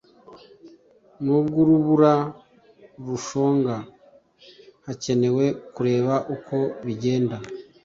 n ubw urubura rushonga hacyenewe kureba uko bigenda